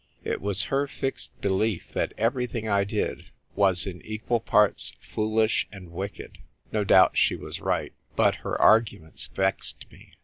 It was her fixed belief that everything I did was in equal parts foolish and wicked. No doubt she was right ; but her arguments vexed me.